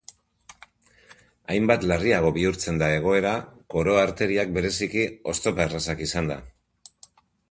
Hainbat larriago bihurtzen da egoera koroa-arteriak bereziki oztopa-errazak izanda.